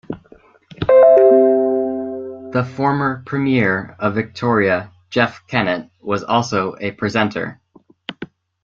The former Premier of Victoria Jeff Kennett was also a presenter.